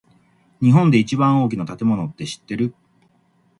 日本で一番大きな建物って知ってる？